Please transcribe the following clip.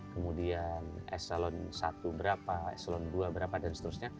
kemudian eselon satu berapa eselon dua berapa dan seterusnya